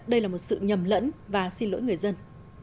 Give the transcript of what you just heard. đây là một sự nhầm lẫn và xin lỗi người dân